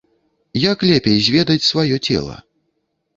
Як лепей зведаць сваё цела?